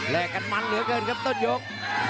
กันมันเหลือเกินครับต้นยก